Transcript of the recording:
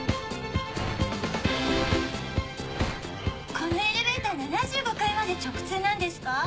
このエレベーター７５階まで直通なんですか？